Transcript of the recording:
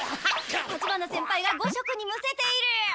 立花先輩が５色にむせている！